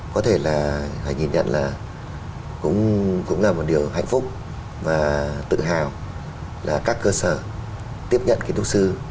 có thể là phải nhìn nhận là cũng là một điều hạnh phúc và tự hào là các cơ sở tiếp nhận kiến trúc sư